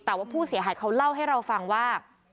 แต่ว่าผู้เสียหายเขาเล่าให้เราฟังว่า